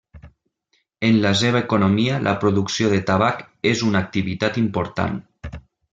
En la seva economia la producció de tabac és una activitat important.